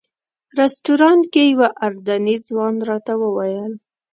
رسټورانټ کې یو اردني ځوان راته وویل.